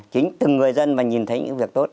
chính từng người dân và nhìn thấy những việc tốt